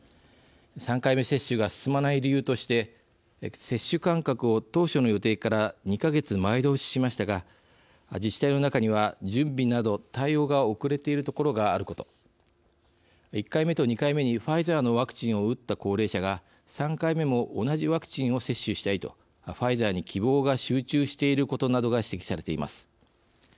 ３回目接種が進まない理由として接種間隔を当初の予定から２か月前倒ししましたが自治体の中には準備など対応が遅れている所があること１回目と２回目にファイザーのワクチンを打った高齢者が３回目も同じワクチンを接種したいとファイザーに希望が集中していることなどが指摘されています。